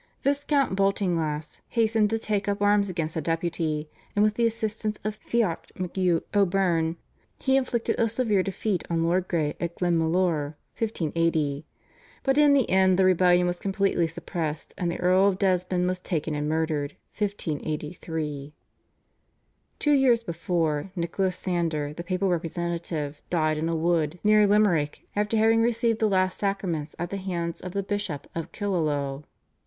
Viscount Baltinglass hastened to take up arms against the Deputy, and with the assistance of Fiach MacHugh O'Byrne he inflicted a severe defeat on Lord Grey at Glenmalure (1580). But in the end the rebellion was completely suppressed, and the Earl of Desmond was taken and murdered (1583). Two years before, Nicholas Sander, the papal representative, died in a wood near Limerick after having received the last sacraments at the hands of the Bishop of Killaloe.